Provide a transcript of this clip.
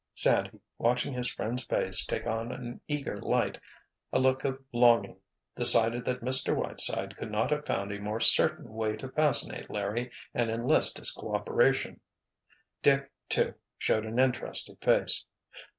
Sandy, watching his friend's face take on an eager light, a look of longing, decided that Mr. Whiteside could not have found a more certain way to fascinate Larry and enlist his cooperation. Dick, too, showed an interested face.